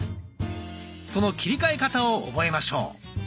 その切り替え方を覚えましょう。